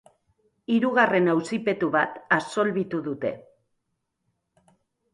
Hirugarren auzipetu bat absolbitu dute.